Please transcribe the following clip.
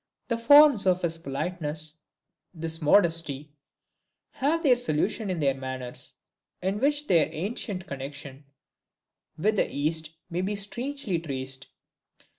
The forms of this politeness, this modesty, have their solution in their manners, in which their ancient connection with the East may be strangely traced.